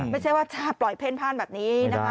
ไม่ใช่ว่าจะปล่อยเพ่นพ่านแบบนี้นะคะ